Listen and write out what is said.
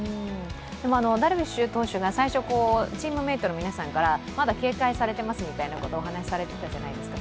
ダルビッシュ投手が最初、チームメートの皆さんからまだ警戒されてますみたいなことをお話しされてたじゃないですか。